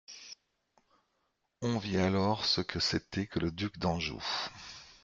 On vit alors ce que c'était que le duc d'Anjou.